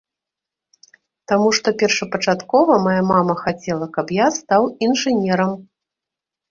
Таму што першапачаткова мая мама хацела, каб я стаў інжынерам.